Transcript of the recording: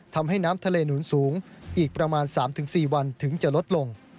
ทำให้น้ำทะเลหนุนสูงอีกประมาณ๓๔วันถึงจะลดลง